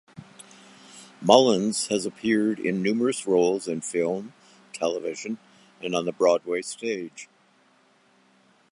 Mullins has appeared in numerous roles in film, television and on the Broadway stage.